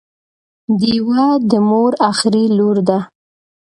ډیوه د مور اخري لور ده